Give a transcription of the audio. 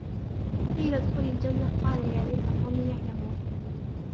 قِيلَ ادْخُلِ الْجَنَّةَ قَالَ يَا لَيْتَ قَوْمِي يَعْلَمُونَ